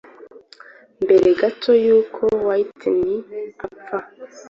Mbere gato y'uko Whitney apfa,